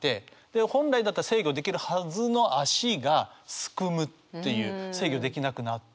で本来だったら制御できるはずの足が竦むっていう制御できなくなって。